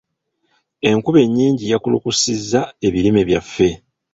Enkuba ennyingi yakulukusizza ebirime byaffe.